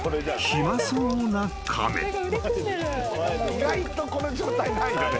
意外とこの状態ないよね。